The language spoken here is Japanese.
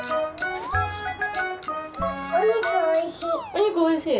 おにくおいしい。